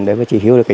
đối với chị hiếu